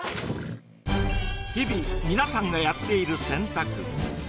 日々皆さんがやっている洗濯